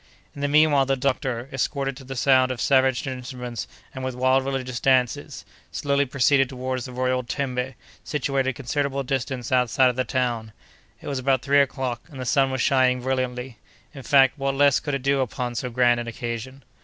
In the meanwhile the doctor, escorted to the sound of savage instruments, and with wild religious dances, slowly proceeded toward the royal "tembe," situated a considerable distance outside of the town. It was about three o'clock, and the sun was shining brilliantly. In fact, what less could it do upon so grand an occasion!